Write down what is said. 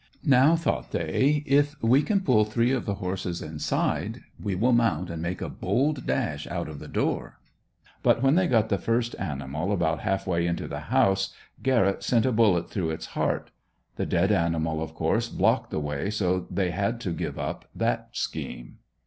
Now thought they if we can pull three of the horses inside we will mount and make a bold dash out of the door. But when they got the first animal about half way into the house Garrett sent a bullet through its heart. The dead animal of course blocked the way so that they had to give up that scheme.